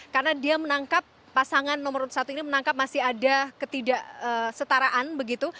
karena dia menangkap pasangan nomor satu ini menangkap masih ada ketidak setaraan begitu